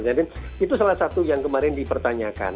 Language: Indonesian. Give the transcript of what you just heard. jadi itu salah satu yang kemarin dipertanyakan